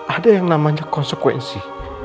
ada yang namanya konsekuensi